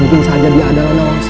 mungkin saja dia adalah